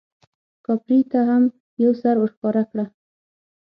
کاپري ته هم یو سر ورښکاره کړه.